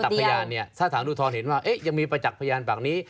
ประจักษ์พยานเนี่ยสถานดูทรเห็นว่ายังมีประจักษ์พยานแบบนี้